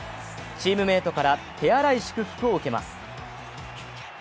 チームメートから手荒い祝福を受けます。